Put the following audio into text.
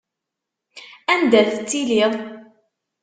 Anda tettiliḍ?